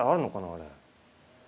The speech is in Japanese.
あれ。